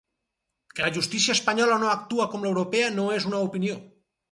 Que la justícia espanyola no actua com l’europea no és una opinió.